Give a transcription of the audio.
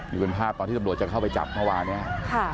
นี่เป็นภาพตอนที่ตำรวจจะเข้าไปจับเมื่อวานเนี่ย